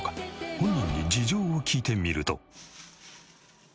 本人に事情を聞いてみると。